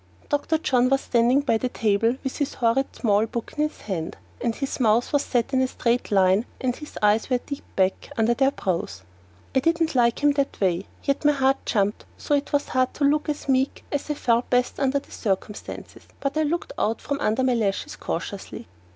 Dr. John was standing by the table with this horrid small book in his hand, and his mouth was set in a straight line and his eyes were deep back under their brows. I don't like him that way, yet my heart jumped so it was hard to look as meek as I felt it best under the circumstances; but I looked out from under my lashes cautiously.